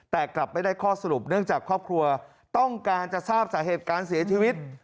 แต่กลับไม่ได้ข้อสรุปเนื่องจากครอบครัวต้องการจะทราบสาเหตุการเสียชีวิต